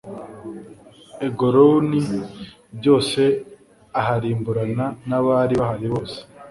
eguloni byose aharimburana n abari bahari bose